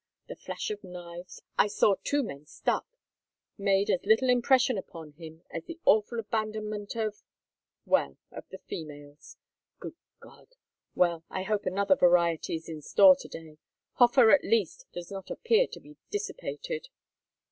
The flash of knives I saw two men stuck made as little impression upon him as the awful abandonment of well, of the females. Good God! Well, I hope another variety is in store to day. Hofer, at least, does not appear to be dissipated."